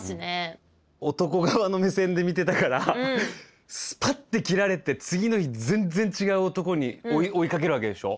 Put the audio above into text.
男側の目線で見てたからスパッて切られて次の日全然違う男を追いかけるわけでしょ？